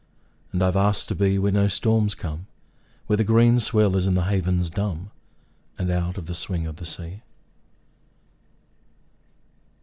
And I have asked to be Where no storms come, Where the green swell is in the havens dumb, And out of the swing of the sea.